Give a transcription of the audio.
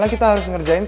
tapi ada di sini